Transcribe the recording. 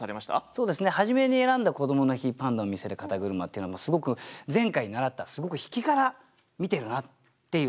そうですね初めに選んだ「こどもの日パンダを見せる肩車」っていうのもすごく前回習ったすごく引きから見てるなっていうね。